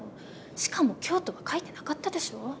しかも今日とは書いてなかったでしょ